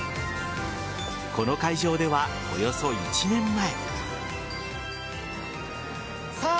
この会場ではおよそ１年前。